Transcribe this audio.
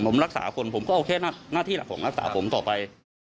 ผมรักษาคนผมก็เอาแค่หน้าที่หลักของรักษาผมต่อไป